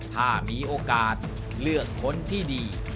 ถ้ามีโอกาสเลือกคนที่ดี